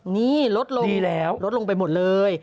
นี่ลดลงลดลงไปหมดเลย